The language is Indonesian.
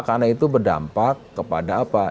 karena itu berdampak kepada apa